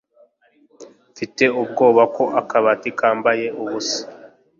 mfite ubwoba ko akabati kambaye ubusa